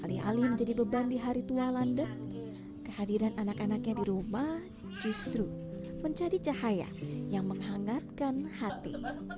alih alih menjadi beban di hari tua landep kehadiran anak anaknya di rumah justru menjadi cahaya yang menghangatkan hati